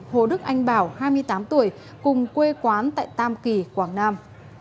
hồ đức anh bảo hai mươi tám tuổi cùng quê quán tại tam kỳ quảng nam